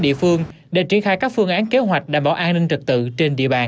địa phương để triển khai các phương án kế hoạch đảm bảo an ninh trật tự trên địa bàn